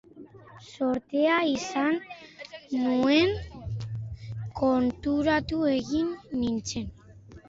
Zortea izan nuen, konturatu egin nintzen.